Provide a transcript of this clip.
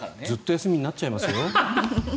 ずっと休みになっちゃいますよ。